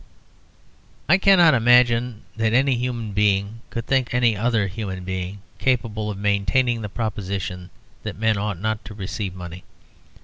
I cannot imagine that any human being could think any other human being capable of maintaining the proposition that men ought not to receive money.